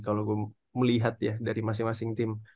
kalau melihat ya dari masing masing tim